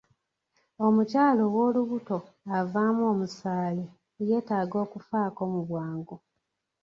Omukyala ow'Olubuto avaamu Omusaayi yeetaaga okufaako mu bwangu.